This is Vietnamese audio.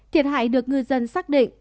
thiệt hại được ngư dân xác định